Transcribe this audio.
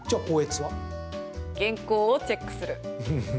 原稿をチェックする。